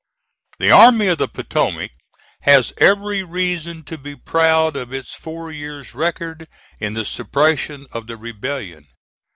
The Army of the Potomac has every reason to be proud of its four years' record in the suppression of the rebellion.